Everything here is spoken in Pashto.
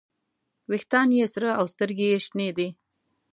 ویښتان یې سره او سترګې یې شنې دي.